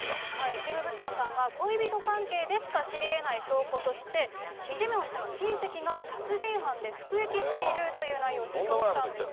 キム・ブソンさんが恋人関係でしか知りえない証拠として、イ・ジェミョン氏の親戚が殺人犯で服役していると主張したんです。